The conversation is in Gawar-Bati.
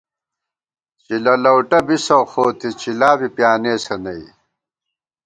چِلہ لؤٹہ بِسہ، خو تُو چِلا بی پیانېسہ نئی